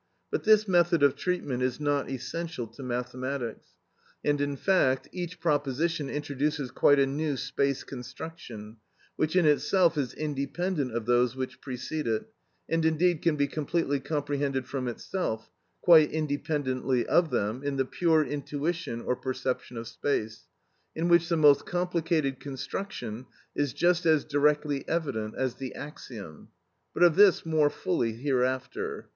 But this method of treatment is not essential to mathematics, and in fact each proposition introduces quite a new space construction, which in itself is independent of those which precede it, and indeed can be completely comprehended from itself, quite independently of them, in the pure intuition or perception of space, in which the most complicated construction is just as directly evident as the axiom; but of this more fully hereafter.